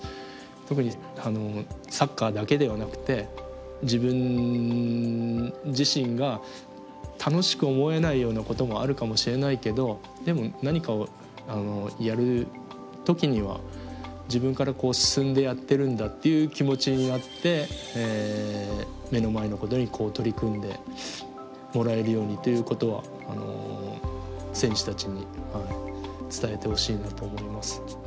特にサッカーだけではなくて自分自身が楽しく思えないようなこともあるかもしれないけどでも何かをやる時には自分から進んでやってるんだっていう気持ちになって目の前のことに取り組んでもらえるようにということは選手たちに伝えてほしいなと思います。